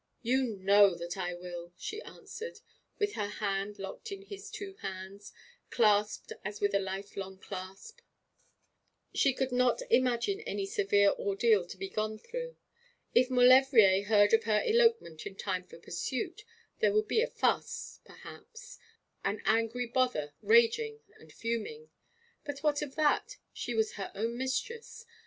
'You know that I will,' she answered, with her hand locked in his two hands, clasped as with a life long clasp. She could not imagine any severe ordeal to be gone through. If Maulevrier heard of her elopement in time for pursuit, there would be a fuss, perhaps an angry bother raging and fuming. But what of that? She was her own mistress.